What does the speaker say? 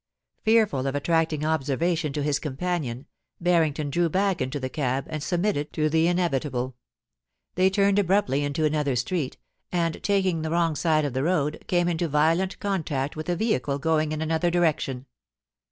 Fear ful of attracting observation to his companion, Barrington drew back into the cab, and submitted to the inevitable They turned abruptly into another street, and taking the wrong side of the road, came into violent contact with a vehicle going in another direction.